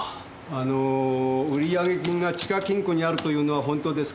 あのー売り上げ金が地下金庫にあるというのは本当ですか？